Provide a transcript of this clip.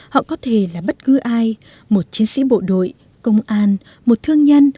họ có thể là bất cứ ai một chiến sĩ bộ đội công an một thương nhân